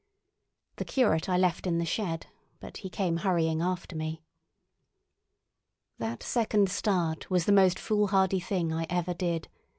The curate I left in the shed, but he came hurrying after me. That second start was the most foolhardy thing I ever did.